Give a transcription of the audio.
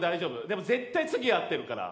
でも絶対次合ってるから。